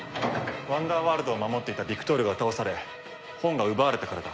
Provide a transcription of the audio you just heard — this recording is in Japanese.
ワンダーワールドを守っていたビクトールが倒され本が奪われたからだ。